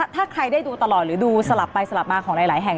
ถ้าใครได้ดูตลอดหรือดูสลับไปสลับมาของหลายแห่ง